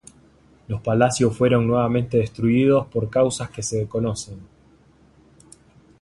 Los palacios fueron nuevamente destruidos por causas que se desconocen.